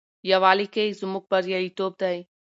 یووالي کې زموږ بریالیتوب دی.